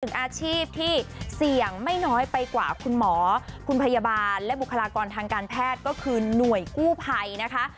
อาชีพที่เสี่ยงไม่น้อยไปกว่าคุณหมอคุณพยาบาลและบุคลากรทางการแพทย์ก็คือหน่วยกู้ภัยนะคะ